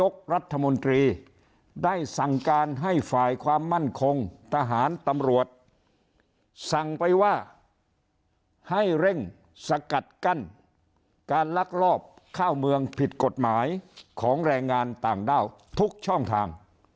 การลักลอบเข้าเมืองผิดกฎหมายของแรงงานต่างดาวทุกช่องทาง